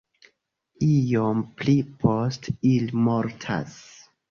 Iom pli poste ili mortas.